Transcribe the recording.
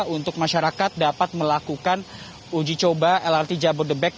untuk masyarakat dapat melakukan uji coba lrt jabodebek